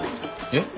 えっ？